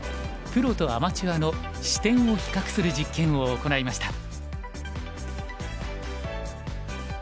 プロとアマチュアの視点を比較する実験を行いました。